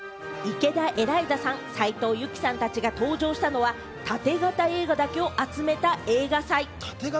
池田エライザさん、斉藤由貴さんたちが登場したのは、縦型映画だけを集めた映画祭。